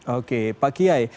oke pak kiai